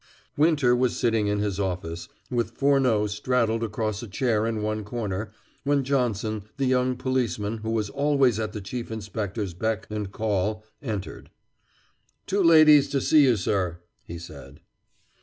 Winter was sitting in his office, with Furneaux straddled across a chair in one corner, when Johnson, the young policeman who was always at the Chief Inspector's beck and call, entered. "Two ladies to see you, sir," he said.